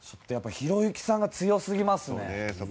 ひろゆきさんが強すぎますね。